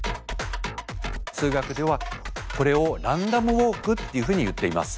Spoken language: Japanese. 数学ではこれをランダムウォークっていうふうにいっています。